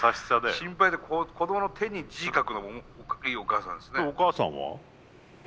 心配で子供の手に字を書くのいいお母さんですね。